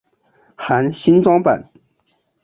含新装版。